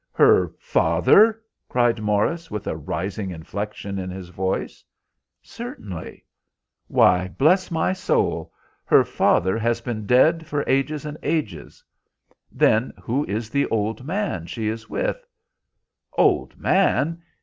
"Her father?" cried Morris, with a rising inflection in his voice. "Certainly." "Why, bless my soul! Her father has been dead for ages and ages." "Then who is the old man she is with?" "Old man!